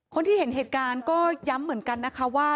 คนที่เห็นเหตุการณ์ก็ย้ำเหมือนกันนะคะว่า